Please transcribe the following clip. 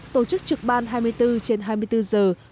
tổ chức trực ban hai mươi bốn trên hai mươi bốn giờ